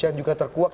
yang juga terkuat